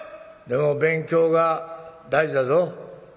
「でも勉強が大事だぞ」。